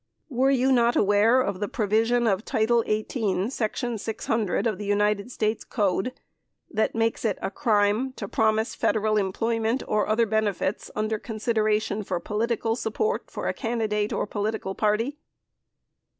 Were you not aware of the provision of title 18, section 600, of the United States Code that makes it a crime to promise Federal employment or other benefits under consideration for political support for a candidate or political party